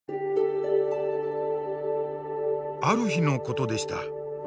ある日のことでした。